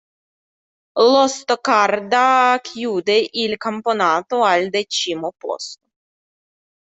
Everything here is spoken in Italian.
Lo Stoccarda chiude il campionato al decimo posto.